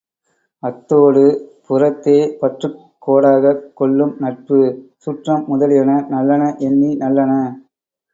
அத்தோடு, புறத்தே பற்றுக் கோடாகக் கொள்ளும் நட்பு, சுற்றம் முதலியன நல்லன எண்ணி, நல்லன.